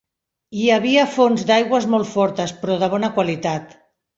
Hi havia fonts d'aigües molt fortes, però de bona qualitat.